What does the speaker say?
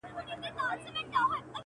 په غیرت مو لاندي کړي وه ملکونه-